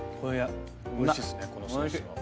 おいしいっすねこのソースが。